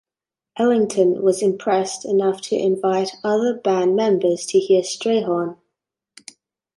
Ellington was impressed enough to invite other band members to hear Strayhorn.